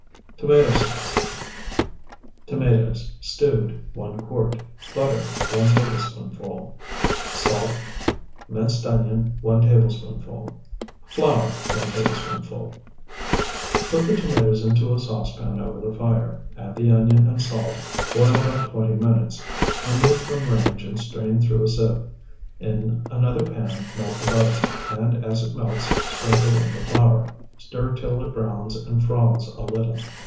TOMATO SAUCE Tomatoes, stewed, 1 quart. Butter, 1 tablespoonful. Salt. Minced onion, 1 tablespoonful. Flour, 1 tablespoonful. Put the tomatoes into a saucepan over the fire; add the onion and salt; boil about twenty minutes; remove from range and strain through a sieve. In another pan melt the butter, and as it melts sprinkle in the flour; stir till it browns and froths a little.